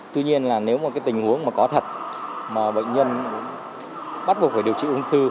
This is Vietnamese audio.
tuy nhiên là nếu một tình huống có thật mà bệnh nhân bắt buộc phải điều trị ung thư